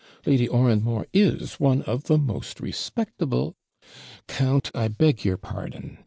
Lady Oranmore is one of the most respectable ' 'Count, I beg your pardon!'